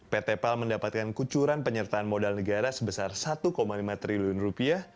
pt pal mendapatkan kucuran penyertaan modal negara sebesar satu lima triliun rupiah